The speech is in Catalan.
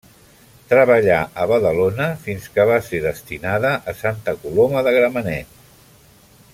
Treballà a Badalona fins que va ser destinada a Santa Coloma de Gramenet.